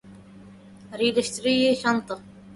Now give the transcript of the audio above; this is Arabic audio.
لست أرضى لسرهن دموعي